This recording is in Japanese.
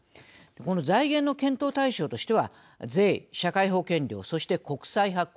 この財源の検討対象としては税、社会保険料、そして国債発行